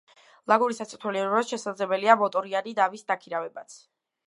ლაგუნის დასათვალიერებლად შესაძლებელია მოტორიანი ნავის დაქირავებაც.